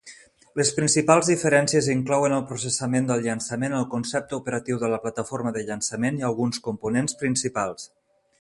Les principals diferències inclouen el processament del llançament, el concepte operatiu de la plataforma de llançament i alguns components principals.